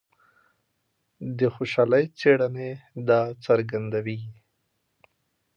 د خوشحالۍ څېړنې دا څرګندوي.